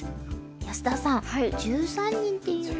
安田さん１３人っていうのは？